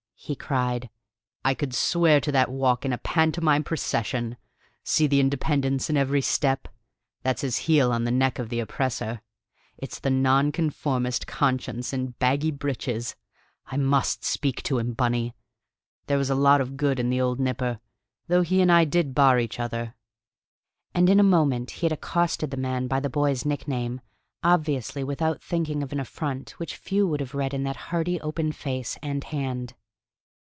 he cried. "I could swear to that walk in a pantomime procession! See the independence in every step: that's his heel on the neck of the oppressor: it's the nonconformist conscience in baggy breeches. I must speak to him, Bunny. There was a lot of good in the old Nipper, though he and I did bar each other." And in a moment he had accosted the man by the boy's nickname, obviously without thinking of an affront which few would have read in that hearty open face and hand.